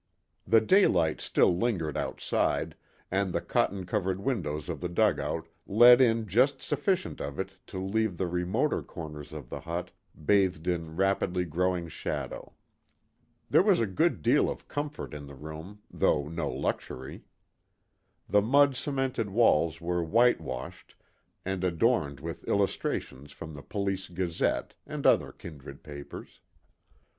The daylight still lingered outside, and the cotton covered windows of the dugout let in just sufficient of it to leave the remoter corners of the hut bathed in rapidly growing shadow. There was a good deal of comfort in the room, though no luxury. The mud cemented walls were whitewashed and adorned with illustrations from the Police Gazette, and other kindred papers.